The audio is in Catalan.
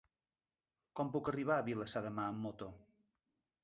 Com puc arribar a Vilassar de Mar amb moto?